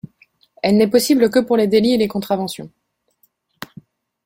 Elle n'est possible que pour les délits et les contraventions.